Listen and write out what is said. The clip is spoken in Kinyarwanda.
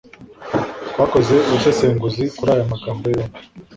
twakoze ubusesenguzi kuri aya magambo yombi